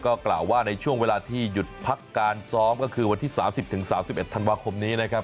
ก็กล่าวว่าในช่วงเวลาที่หยุดพักการซ้อมก็คือวันที่๓๐๓๑ธันวาคมนี้นะครับ